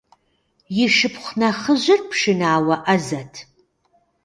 И шыпхъу нэхъыжьыр пшынауэ Ӏэзэт.